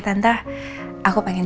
kayaknya untuk sementara aku tuh mau tidur